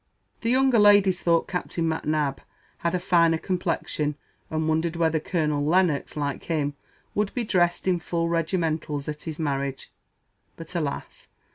The younger ladies thought Captain M'Nab had a finer complexion, and wondered whether Colonel Lennox (like him) would be dressed in full regimentals at his marriage. But, alas!